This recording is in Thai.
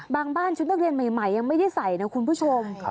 บ้านชุดนักเรียนใหม่ยังไม่ได้ใส่นะคุณผู้ชม